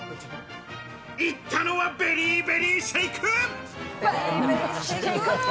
行ったのはベリーベリーシェイク。